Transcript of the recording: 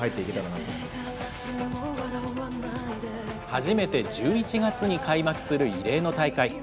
初めて１１月に開幕する異例の大会。